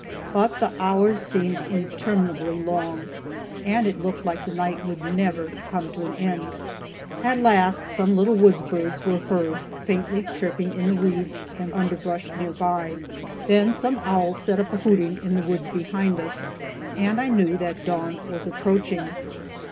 But the hours seemed interminably long, and it looked like the night would never come to an end. At last some little woods birds were heard, faintly chirping in the weeds and underbrush near by, then some owls set up a hooting in the woods behind us, and I knew that dawn was approaching.